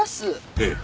ええ。